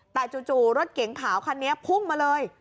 แต่จู่รถเก๋งขาวคันนี้พุ่งมาเลย